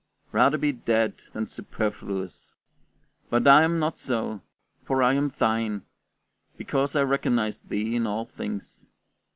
Rather be dead than superfluous! But I am not so, for I am thine, because I recognize thee in all things.